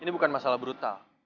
ini bukan masalah brutal